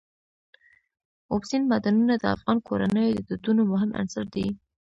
اوبزین معدنونه د افغان کورنیو د دودونو مهم عنصر دی.